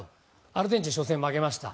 アルゼンチン初戦負けました。